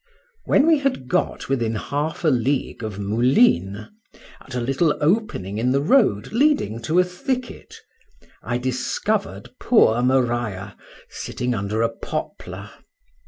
When we had got within half a league of Moulines, at a little opening in the road leading to a thicket, I discovered poor Maria sitting under a poplar.